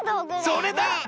それだ！